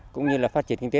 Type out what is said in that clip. cũng như là phát triển kinh tế